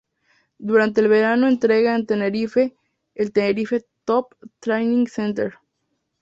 Durante el verano entrena en Tenerife, en el Tenerife Top Training Center.